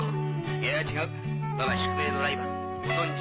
いや違うわが宿命のライバルご存じ